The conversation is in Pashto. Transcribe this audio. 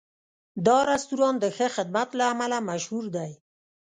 دا رستورانت د ښه خدمت له امله مشهور دی.